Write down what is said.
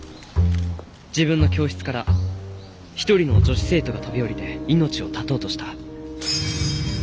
自分の教室から一人の女子生徒が飛び降りて命を絶とうとした。